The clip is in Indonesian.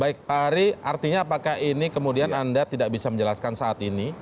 baik pak ari artinya apakah ini kemudian anda tidak bisa menjelaskan saat ini